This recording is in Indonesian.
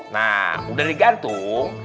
nah udah digantung